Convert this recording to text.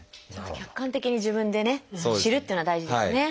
客観的に自分でね知るっていうのは大事ですね。